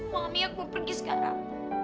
mami aku pergi sekarang